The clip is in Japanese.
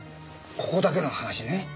ここだけの話ね